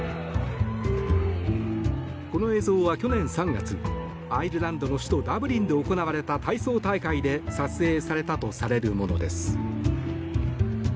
この映像は去年３月アイルランドの首都ダブリンで行われた体操大会で撮影されたとされるものです。